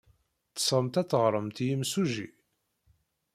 Teɣsemt ad teɣremt i yimsujji?